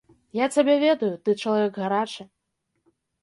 Я цябе ведаю, ты чалавек гарачы.